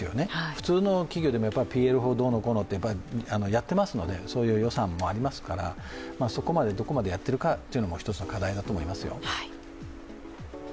普通の企業でもＰＬ法どうのこうのってやっていますので、そういう予算もありますから、どこまでやっているかも１つの課題だと思いますよ。